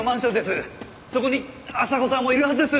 そこに阿佐子さんもいるはずです！